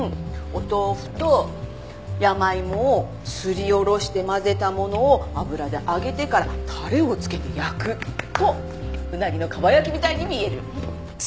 お豆腐と山芋をすりおろして混ぜたものを油で揚げてからタレを付けて焼くと鰻の蒲焼きみたいに見える。